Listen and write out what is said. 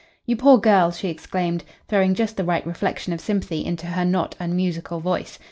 "You poor girl!" she exclaimed, throwing just the right reflection of sympathy into her not unmusical voice.